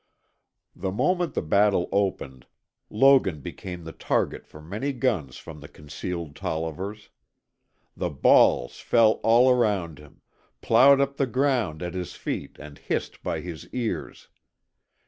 The moment the battle opened, Logan became the target for many guns from the concealed Tollivers. The balls fell all around him; plowed up the ground at his feet and hissed by his ears.